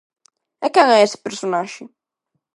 E quen é ese personaxe?